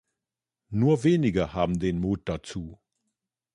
Nur wenige haben den Mut dazu.